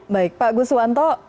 baik pak guswanto